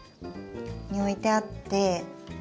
に置いてあって。